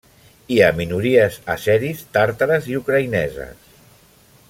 Hi ha minories àzeris, tàrtares i ucraïneses.